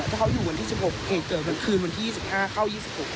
เพราะเขาอยู่วันที่๑๖เหตุเกิดกลางคืนวันที่๒๕เข้า๒๖